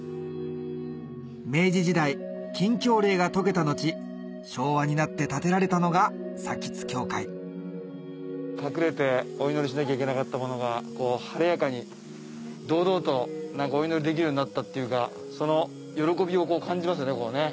明治時代禁教令が解けた後昭和になって建てられたのが隠れてお祈りしなきゃいけなかったものが晴れやかに堂々とお祈りできるようになったっていうかその喜びを感じますね。